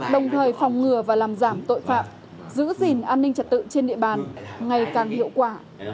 đồng thời phòng ngừa và làm giảm tội phạm giữ gìn an ninh trật tự trên địa bàn ngày càng hiệu quả